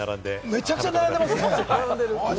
めちゃくちゃ並んでますね。